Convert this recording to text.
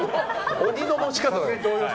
鬼の持ち方。